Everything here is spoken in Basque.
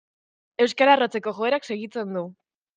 Euskara arrotzeko joerak segitzen du.